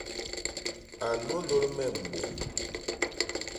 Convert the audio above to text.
A nnôndôl me mbôñ.